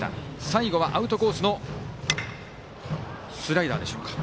最後はアウトコースのスライダーでしょうか。